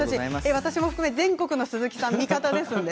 私も含め全国の鈴木さん味方ですからね。